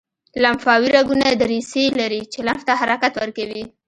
لمفاوي رګونه دریڅې لري چې لمف ته حرکت ورکوي.